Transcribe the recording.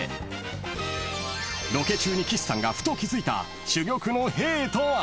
［ロケ中に岸さんがふと気付いた珠玉のへぇーとは？］